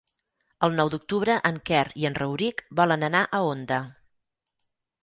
El nou d'octubre en Quer i en Rauric volen anar a Onda.